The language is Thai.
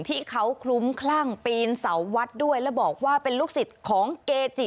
ที่เขาคลุ้มคลั่งปีนเสาวัดด้วยแล้วบอกว่าเป็นลูกศิษย์ของเกจิ